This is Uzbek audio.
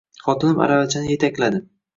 Xotinim aravachani etakladi